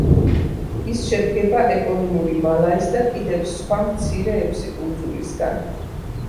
ის შედგება ეპონიმური მალაის და კიდევ სხვა მცირე ექვსი კუნძულისგან.